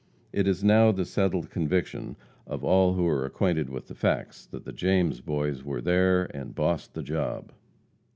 It is now the settled conviction of all who are acquainted with the facts, that the James Boys were there and "bossed the job."